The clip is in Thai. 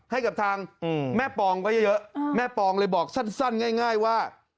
ให้กับทางแม่ปองไว้เยอะแม่ปองเลยบอกสั้นง่ายว่า